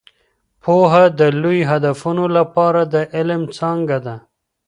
پوهه د لوی هدفونو لپاره د علم څانګه ده.